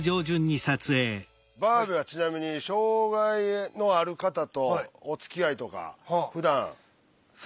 バーベはちなみに障害のある方とおつきあいとかふだん接することありますか？